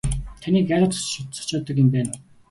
Таныг айлгаж цочоодог юм байна уу.